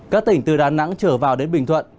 các tỉnh từ đà nẵng trở vào đến bình thuận